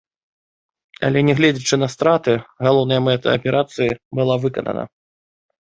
Але не гледзячы на страты, галоўная мэта аперацыі была выканана.